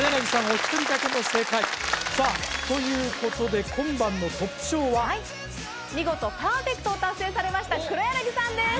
お一人だけの正解さあということで今晩のトップ賞ははい見事パーフェクトを達成されました黒柳さんです！